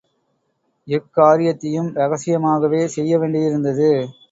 எக்காரியத்தையும் ரகசியமாகவே செய்யவேண்டியிருந்தது.